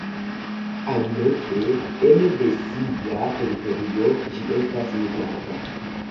Aliloke ene de sia teritorio ĝi estas migranta.